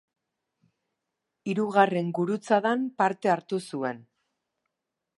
Hirugarren Gurutzadan parte hartu zuen.